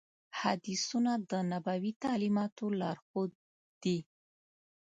حدیثونه د نبوي تعلیماتو لارښود دي.